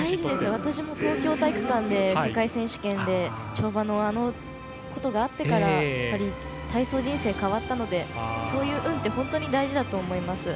私も東京体育館で世界選手権で跳馬の、あのことがあってから体操人生、変わったのでそういう運って本当に大事だと思います。